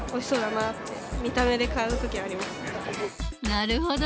なるほど。